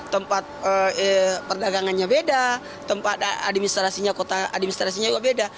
tempat perdagangannya beda tempat administrasinya kota administrasinya juga beda